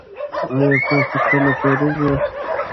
ایا تاسو کله فارغ یاست؟